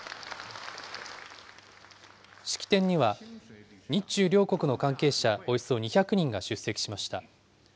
式典には日中両国の関係者およそ２００人が出席しました。